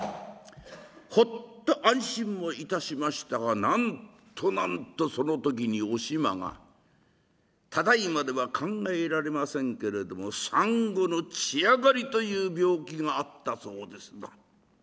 ほっと安心をいたしましたがなんとなんとその時におしまがただいまでは考えられませんけれども産後の血上がりという病気があったそうですな。